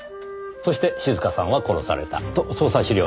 そして静香さんは殺されたと捜査資料にあります。